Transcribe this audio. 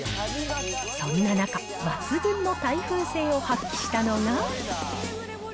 そんな中、抜群の耐風性を発揮したのが。